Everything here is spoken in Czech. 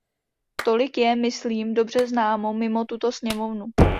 Tolik je, myslím, dobře známo mimo tuto sněmovnu.